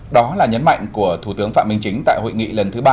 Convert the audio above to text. đó là nhấn mạnh của thủ tướng phạm minh chính tại hội nghị lần thứ ba